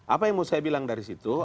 apa yang mau saya bilang dari situ